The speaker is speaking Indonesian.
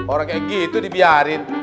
orang kayak gitu dibiarin